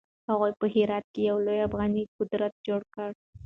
هغوی په هرات کې يو لوی افغاني قدرت جوړ کړ.